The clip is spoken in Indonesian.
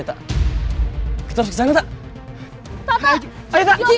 pak putri gak salah apa apa ini masalah pak